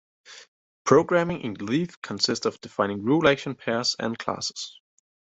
Programming in Lithe consists of defining rule-action pairs and classes.